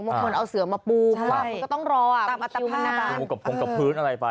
บางคนเอาเสือมาปูเพราะว่าก็ต้องรออ่ะ